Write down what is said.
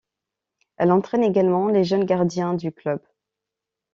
Elle entraîne également les jeunes gardiens du club.